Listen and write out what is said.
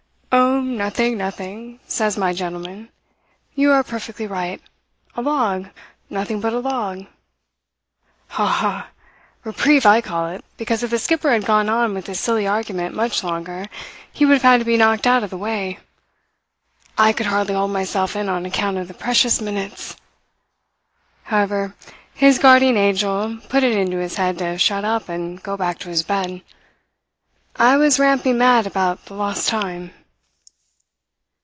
"'O, nothing, nothing,' says my gentleman. 'You are perfectly right. A log nothing but a log.' "Ha, ha! Reprieve, I call it, because if the skipper had gone on with his silly argument much longer he would have had to be knocked out of the way. I could hardly hold myself in on account of the precious minutes. However, his guardian angel put it into his head to shut up and go back to his bed. I was ramping mad about the lost time."